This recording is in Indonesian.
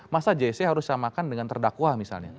masa jc harus disamakan dengan terdakwa misalnya